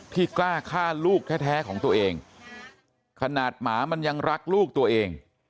กล้าฆ่าลูกแท้ของตัวเองขนาดหมามันยังรักลูกตัวเอง